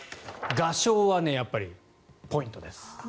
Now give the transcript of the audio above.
賀正はやっぱりポイントです。